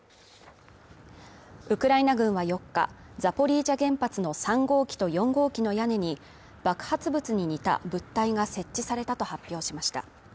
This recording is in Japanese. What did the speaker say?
ウクライナ軍は４日、ザポリージャ原発の３号機と４号機の屋根に爆発物に似た物体が設置されたと発表しました。